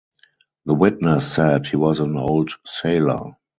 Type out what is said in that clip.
The witness said he was an old sailor.